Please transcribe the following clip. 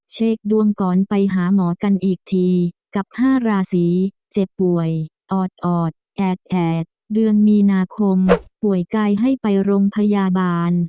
เช็คดวงก่อนไปหาหมอกันอีกทีกับ๕ราศีเจ็บป่วยออดแอดแอดเดือนมีนาคมป่วยไกลให้ไปโรงพยาบาล